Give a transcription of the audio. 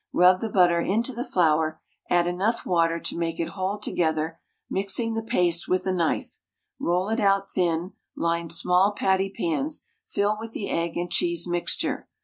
Rub the butter into the flour, add enough water to make it hold together, mixing the paste with a knife. Roll it out thin, line small patty pans, fill with the egg and cheese mixture.